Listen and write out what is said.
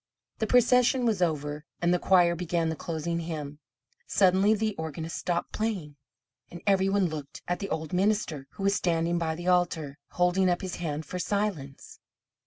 The procession was over, and the choir began the closing hymn. Suddenly the organist stopped playing; and every one looked at the old minister, who was standing by the altar, holding up his hand for silence.